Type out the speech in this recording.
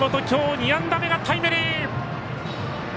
きょう、２安打目がタイムリー。